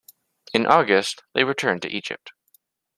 In August they returned to Egypt.